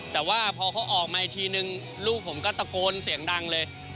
แต่ว่าพอเขาออกมาอีกทีนึงลูกผมก็ตะโกนเสียงดังเลย